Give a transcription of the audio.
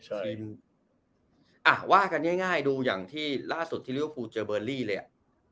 ใช่ว่ากันง่ายดูอย่างที่ล่าสุดที่ลิเวฟูเจอเบอร์รี่เลยอ่ะ